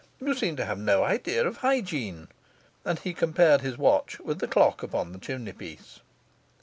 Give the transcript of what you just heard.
You seem to have no idea of hygiene.' And he compared his watch with the clock upon the chimney piece.